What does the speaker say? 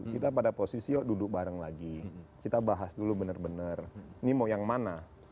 kita pada posisi duduk bareng lagi kita bahas dulu benar benar ini mau yang mana